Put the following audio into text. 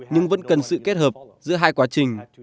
nhưng vẫn cần sự kết hợp giữa hai quá trình